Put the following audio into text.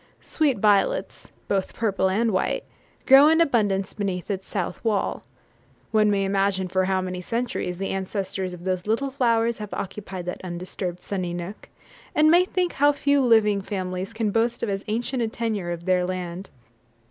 Sweet violets, both purple and white, grow in abundance beneath its south wall. One may imagine for how many centuries the ancestors of those little flowers have occupied that undisturbed, sunny nook, and may think how few living families can boast of as ancient a tenure of their land.